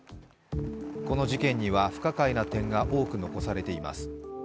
この事件には不可解な点が多く残されています。